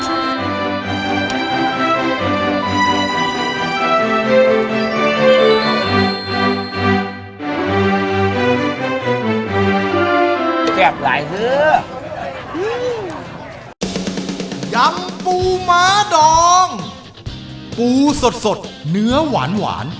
แซ่บหลายซื้อยำปูม้าดองปูสดสดเนื้อหวานหวาน